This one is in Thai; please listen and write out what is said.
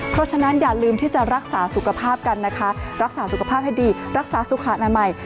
เพราะฉะนั้นอย่าลืมที่จะรักษาสุขภาพกันนะคะรักษาสุขภาพให้ดีรักษาสุขอนามัย